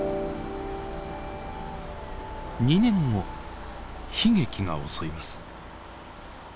２年後悲劇が襲います。